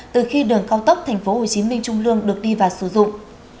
từ khi đường cao tốc tp hcm trung lương được đi và sử dụng